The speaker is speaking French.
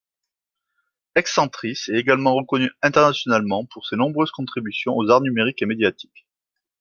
Ex-Centris est également reconnu internationalement pour ses nombreuses contributions aux arts numériques et médiatiques.